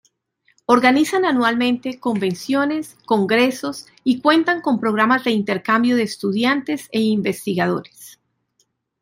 Organizan anualmente convenciones, congresos y cuentan con programas de intercambio de estudiantes e investigadores.